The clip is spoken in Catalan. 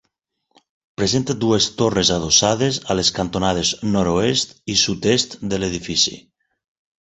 Presenta dues torres adossades a les cantonades nord-oest i sud-est de l'edifici.